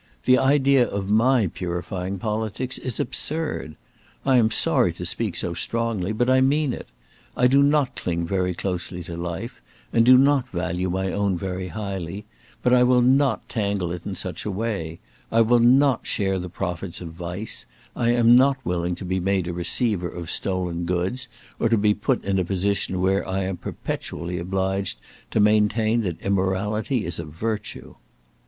The idea of my purifying politics is absurd. I am sorry to speak so strongly, but I mean it. I do not cling very closely to life, and do not value my own very highly, but I will not tangle it in such a way; I will not share the profits of vice; I am not willing to be made a receiver of stolen goods, or to be put in a position where I am perpetually obliged to maintain that immorality is a virtue!"